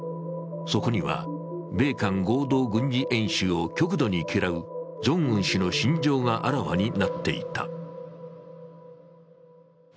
そこには米韓合同軍事演習を極度に嫌うジョンウン氏の心情があらわになっていた。